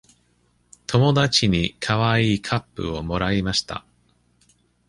友達にかわいいカップをもらいました。